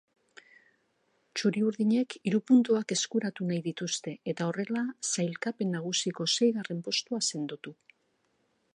Txuri-urdinek hiru puntuak eskuratu nahi dituzte eta horrela sailkapen nagusiko seigarren postua sendotu.